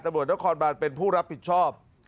ตำรวจนครบานเป็นผู้รับผิดชอบ